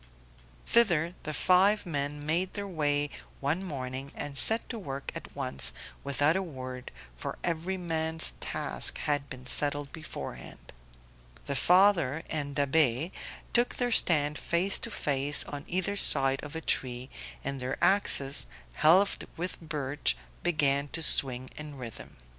Thither the five men made their way one morning and set to work at once, without a word, for every man's task had been settled beforehand. The father and Da'Be took their stand face to face on either side of a tree, and their axes, helved with birch, began to swing in rhythm.